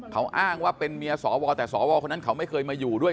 เขาอ้างว่าเป็นเมียสวแต่สวคนนั้นเขาไม่เคยมาอยู่ด้วย